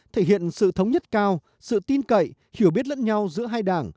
thể hiện sự thống nhất cao sự tin cậy hiểu biết lẫn nhau giữa hai đảng